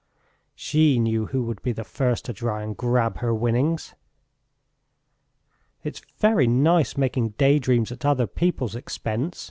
She knew who would be the first to try and grab her winnings. "It's very nice making daydreams at other people's expense!"